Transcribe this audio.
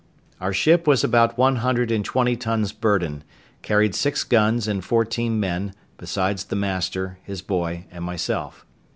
Our ship was about one hundred and twenty tons burden, carried six guns and fourteen men, besides the master, his boy, and myself.